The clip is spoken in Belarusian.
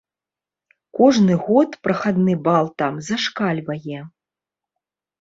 Кожны год прахадны бал там зашкальвае.